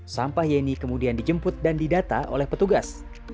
sampah yeni kemudian dijemput dan didata oleh petugas